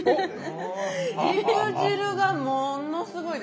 肉汁がものすごいです。